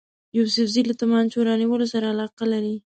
یوسفزي له توپنچو رانیولو سره علاقه لري.